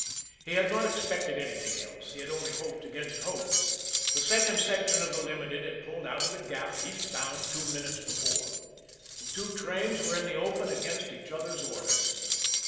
He had not expected anything else; he had only hoped against hope. The second section of the Limited had pulled out of the Gap, eastbound, two minutes before. The two trains were in the open against each other's orders.